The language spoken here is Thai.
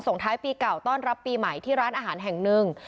ท้ายปีเก่าต้อนรับปีใหม่ที่ร้านอาหารแห่งหนึ่ง